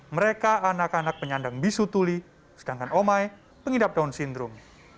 mereka anak anak penyandang bisu tuli sedangkan omai pengidap down syndrome